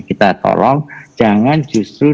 kita tolong jangan justru